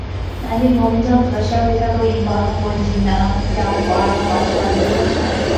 南京国民政府的消极态度引发中国及南洋华人华侨舆论强烈不满。